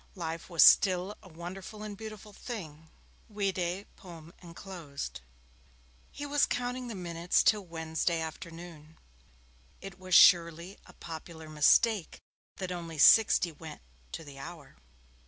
Life was still a wonderful and beautiful thing vide poem enclosed. He was counting the minutes till Wednesday afternoon. It was surely a popular mistake that only sixty went to the hour.